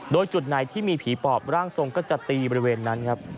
โดยจุดไหนที่มีผีปอบร่างทรงก็จะตีบริเวณนั้นครับ